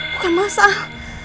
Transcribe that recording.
bukan mas al